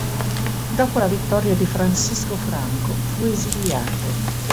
Dopo la vittoria di Francisco Franco fu esiliato.